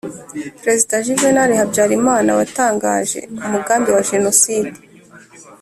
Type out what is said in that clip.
perezida juvénal habyarimana watangaje umugambi wa jenoside